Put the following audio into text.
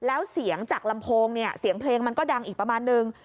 แล้วเสียงจากลำโพงเนี่ยเสียงเพลงมันก็ดังอีกประมาณนึง